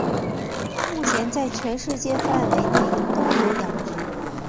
目前在全世界范围内都有养殖。